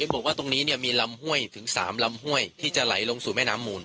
บอกว่าตรงนี้มีลำห้วยถึง๓ลำห้วยที่จะไหลลงสู่แม่น้ำมูล